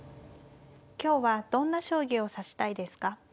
今日はどんな将棋を指したいですか。